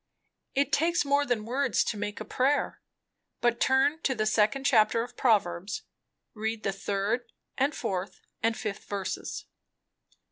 _ It takes more than words to make a prayer. But turn to the second chapter of Proverbs. Read the third and fourth and fifth verses."